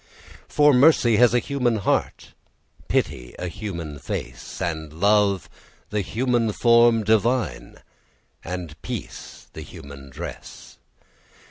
For Mercy has a human heart; Pity, a human face; And Love, the human form divine: And Peace the human dress.